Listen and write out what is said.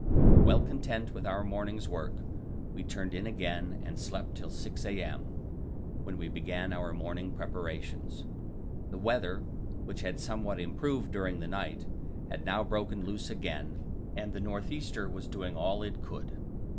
Well content with our morning's work, we turned in again and slept till 6 a.m., when we began our morning preparations. The weather, which had somewhat improved during the night, had now broken loose again, and the north easter was doing all it could.